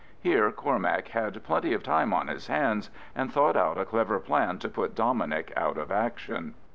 Here Cormac had plenty of time on his hands, and thought out a clever plan to put Dominic out of action.